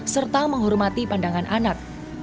serta menghormati pandangan anak